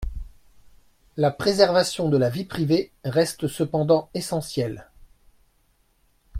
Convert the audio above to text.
La préservation de la vie privée reste cependant essentielle.